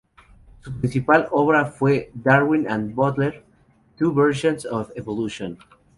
Su principal obra fue "Darwin and Butler: Two Versions of Evolution".